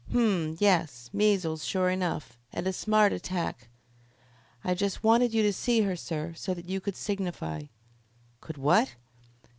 "Hum! Yes. Measles, sure enough and a smart attack." "I just wanted you to see her, sir, so that you could signify." "Could what?"